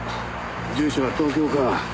住所は東京か。